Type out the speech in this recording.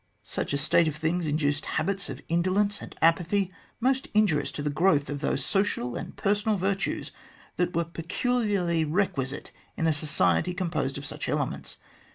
Such a state of things induced habits of indolence and apathy, most injurious to the growth of those social and personal virtues that were peculiarly requisite in a society composed of such elements.